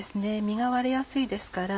身が割れやすいですから。